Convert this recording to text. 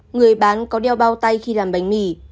người bán có đeo bao tay khi làm bánh mì